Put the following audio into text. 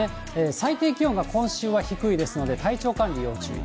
最低気温が今週は低いですので、体調管理要注意。